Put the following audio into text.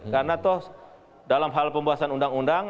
karena toh dalam hal pembahasan undang undang